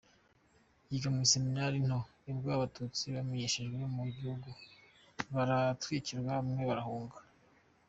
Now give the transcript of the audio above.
Yiga mu iseminari nto ni bwo Abatutsi bameneshejwe mu gihugu, baratwikirwa, bamwe barahunga.